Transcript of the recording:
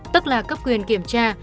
tức là cấp quyền kiểm tra